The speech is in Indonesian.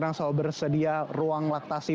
memang selalu bersedia ruang laktasi